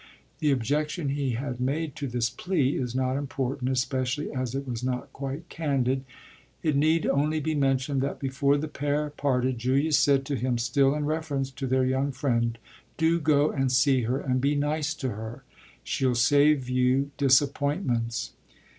The objection he had made to this plea is not important, especially as it was not quite candid; it need only be mentioned that before the pair parted Julia said to him, still in reference to their young friend: "Do go and see her and be nice to her; she'll save you disappointments."